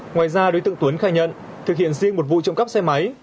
ngoài ra đối tượng tuấn khai nhận thực hiện riêng một vụ trộm cắp xe máy